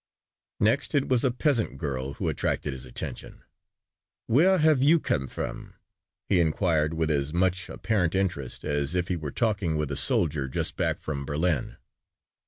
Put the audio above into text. Next it was a peasant girl who attracted his attention. "Where have you come from?" he inquired with as much apparent interest as if he were talking with a soldier just back from Berlin.